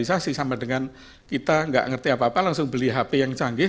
sama dengan kita nggak ngerti apa apa langsung beli hp yang canggih